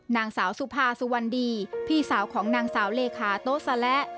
นางสาวสุภาสุวรรณดีพี่สาวของนางสาวเลขาโต๊สและ